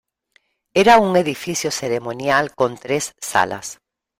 Era un edificio ceremonial con tres salas.